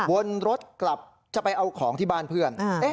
วนรถกลับจะไปเอาของที่บ้านเพื่อน